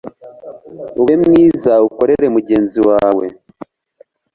ube mwiza ukorere mugenzi wawe